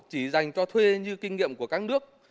chỉ dành cho thuê như kinh nghiệm của các nước